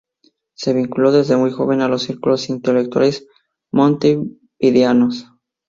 Se vinculó desde muy joven a los círculos intelectuales montevideanos.